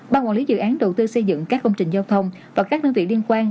ban quản lý dự án đầu tư xây dựng các công trình giao thông và các đơn vị liên quan